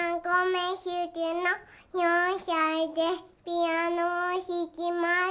ピアノをひきます。